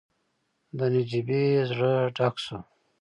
د نجيبې زړه ډک شو.